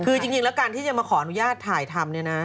คือจริงแล้วการที่จะมาขออนุญาตถ่ายทำเนี่ยนะ